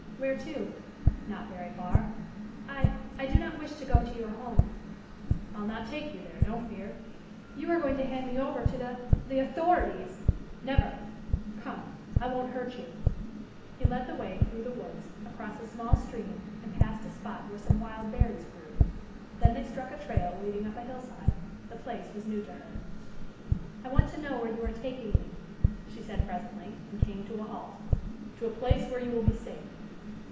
"Where to?" "Not very far." "I I do not wish to go to your home." "I'll not take you there, don't fear." "You are going to hand me over to the the authorities." "Never! Come. I won't hurt you." He led the way through the woods, across a small stream and past a spot where some wild berries grew. Then they struck a trail leading up a hillside. The place was new to her. "I want to know where you are taking me," she said presently, and came to a halt. "To a place where you will be safe."